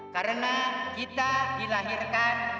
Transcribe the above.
karena kita dilahirkan